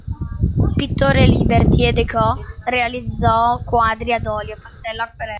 Pittore liberty e decò realizzò quadri ad olio, pastello, acquerello.